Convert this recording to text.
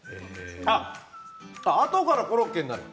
あとからコロッケになる。